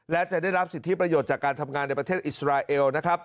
และจะได้รับสิทธิประโยชน์จากการทำงานในประเทศอิสราเอลนะครับ